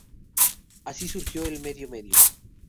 Así surgió el Medio Medio.